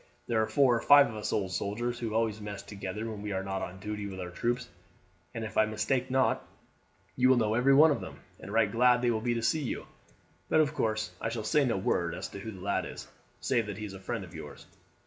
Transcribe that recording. There are four or five of us old soldiers who always mess together when we are not on duty with our troops, and if I mistake not, you will know every one of them, and right glad they will be to see you; but of course I shall say no word as to who the lad is, save that he is a friend of yours."